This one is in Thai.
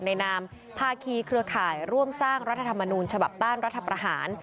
นามภาคีเครือข่ายร่วมสร้างรัฐธรรมนูญฉบับต้านรัฐประหาร